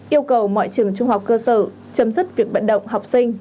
yêu cầu mọi trường trung học cơ sở chấm dứt việc vận động học sinh